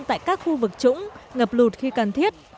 tại các khu vực trũng ngập lụt khi cần thiết